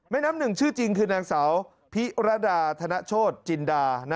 แม่น้ำหนึ่งชื่อจริงคือนางสาวพิรัทนโชทศนด